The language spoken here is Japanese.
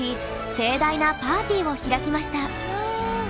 盛大なパーティーを開きました。